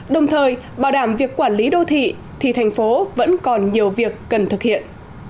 đồng thời bảo đảm việc quản lý đô thị thì thành phố vẫn còn nhiều việc cần thực hiện